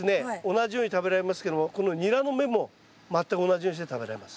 同じように食べられますけどもこのニラの芽も全く同じようにして食べられます。